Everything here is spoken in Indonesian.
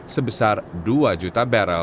sebesar dua juta barrel